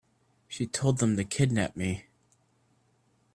She told them to kidnap me.